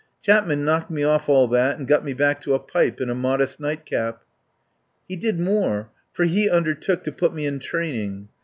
Chapman knocked me off all that and got me back to a pipe and a modest nightcap. He did more, for he undertook to put me in training.